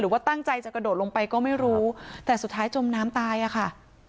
ว่าตั้งใจจะกระโดดลงไปก็ไม่รู้แต่สุดท้ายจมน้ำตายอ่ะค่ะ